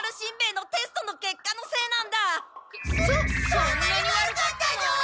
そんなに悪かったの？